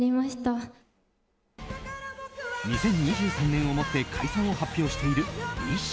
２０２３年をもって解散を発表しているＢｉＳＨ。